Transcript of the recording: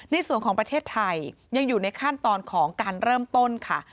ในส่วนของประเทศไทยยังอยู่ในขั้นตอนของการเริ่มต้นค่ะ